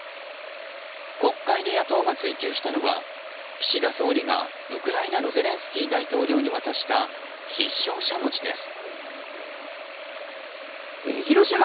国会で野党が追及したのは岸田総理が、ウクライナのゼレンスキー大統領に渡した必勝しゃもじです。